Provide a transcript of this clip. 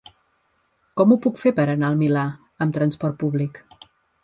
Com ho puc fer per anar al Milà amb trasport públic?